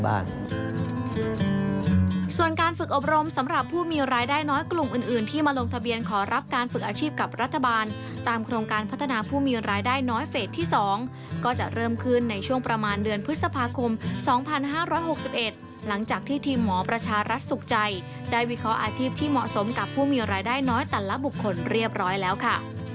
การฝึกอาชีพกับรัฐบาลตามโครงการพัฒนาผู้มียนต์รายได้น้อยเฟสที่๒ก็จะเริ่มคืนในช่วงประมาณเดือนพฤษภาคม๒๕๖๑หลังจากที่ทีมหมอประชารัฐสุขใจได้วิเคราะห์อาชีพที่เหมาะสมกับผู้มียนต์รายได้น้อยแต่ละบุคคลเรียบร้อยแล้วค่ะ